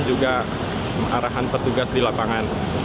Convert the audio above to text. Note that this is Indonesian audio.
juga arahan petugas di lapangan